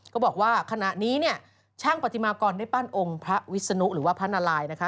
ก็บอกว่าขณะนี้เนี่ยช่างปฏิมากรได้ปั้นองค์พระวิศนุหรือว่าพระนารายนะคะ